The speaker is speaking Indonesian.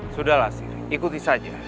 sudahlah sir ikuti saja